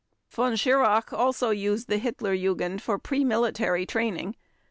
Von Schirach also used the Hitler Jugend for pre military training.